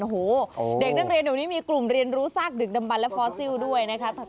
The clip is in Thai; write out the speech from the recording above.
โอ้โหเด็กนักเรียนเดี๋ยวนี้มีกลุ่มเรียนรู้ซากดึกดำบันและฟอสซิลด้วยนะคะ